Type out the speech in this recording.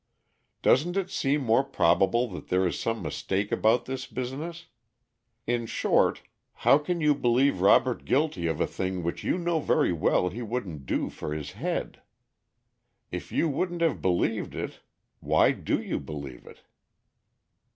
Doesn't it seem more probable that there is some mistake about this business? In short, how can you believe Robert guilty of a thing which you know very well he wouldn't do for his head? If you 'wouldn't have believed it,' why do you believe it?"